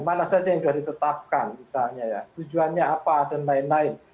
mana saja yang sudah ditetapkan misalnya ya tujuannya apa dan lain lain